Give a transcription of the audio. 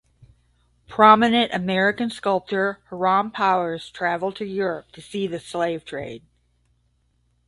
Prominent American sculptor Hiram Powers traveled to Europe to see the slave trade.